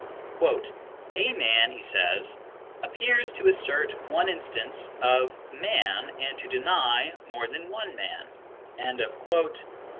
"' A man,' " he says, " appears to assert one instance of man and to deny more than one man " (p.